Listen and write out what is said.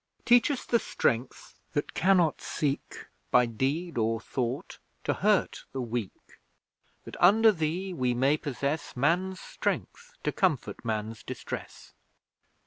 Teach us the Strength that cannot seek, By deed or thought, to hurt the weak; That, under Thee, we may possess Man's strength to comfort man's distress.